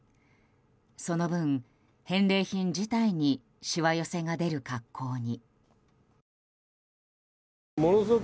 その分、返礼品自体にしわ寄せが出る格好に。